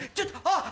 あっ